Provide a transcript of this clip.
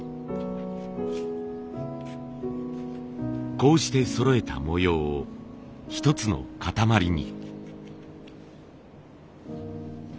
こうしてそろえた模様を一つの塊に。